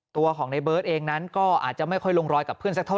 ตัวของในเบิร์ตเองนั้นก็อาจจะไม่ค่อยลงรอยกับเพื่อนสักเท่า